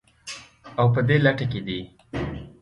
او په دې لټه کې دي